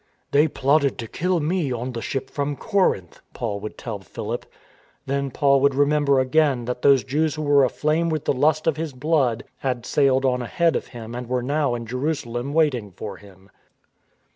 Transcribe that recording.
" They plotted to kill me on the ship from Corinth," Paul would tell Philip. Then Paul would remember again that those Jews who were aflame with the lust for his blood had sailed on ahead of him and were now in Jerusalem waiting for him.